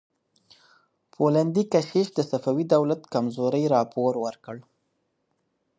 پولندي کشیش د صفوي دولت کمزورۍ راپور ورکړ.